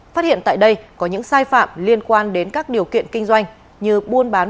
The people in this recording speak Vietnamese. phát hiện tại đây có những sai phạm liên quan đến các điều kiện kinh doanh như buôn bán